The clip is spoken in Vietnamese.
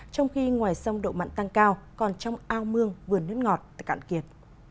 trong khi ngoài sông độ mặn tăng cao còn trong ao mương vườn nước ngọt tự cạn kiệt